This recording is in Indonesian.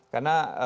karena kami melihat